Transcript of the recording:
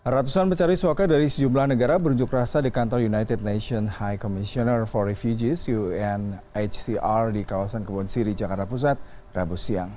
ratusan pencari suaka dari sejumlah negara berunjuk rasa di kantor united nation high commissioner for refugees unhcr di kawasan kebon siri jakarta pusat rabu siang